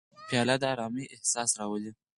پیاله د ارامۍ احساس راولي.